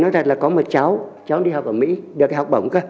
nói thật là có một cháu cháu đi học ở mỹ được cái học bổng cơ